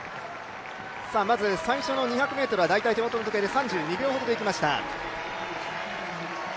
まず、最初の２００ｍは大体、手元の時計で３２秒ほどでいきました。